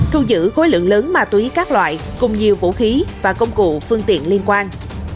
thu giữ khối lượng lớn ma túy các loại cùng nhiều vũ khí và công cụ phương tiện liên quan